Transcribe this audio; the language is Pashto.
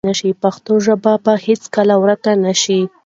پښتو ژبه به هیڅکله ورکه نه شي.